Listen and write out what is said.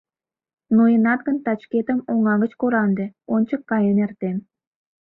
Ноенат гын, тачкетым оҥа гыч кораҥде: ончык каен эртем...